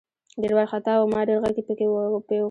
ډېر ورخطا وو ما ډېر غږ پې وکړه .